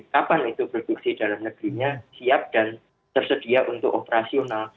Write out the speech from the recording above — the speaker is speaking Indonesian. kapan itu produksi dalam negerinya siap dan tersedia untuk operasional